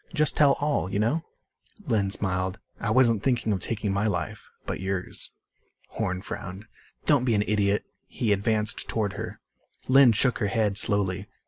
Just tell all you know?" Lynn smiled. "I wasn't thinking of taking my life. But yours." Horn frowned. "Don't be an idiot." He advanced toward her. Lynn shook her head slowly.